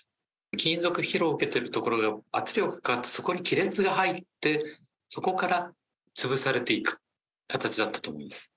金属疲労を受けてる所に圧力がそこに亀裂が入って、そこから潰されていく形だったと思います。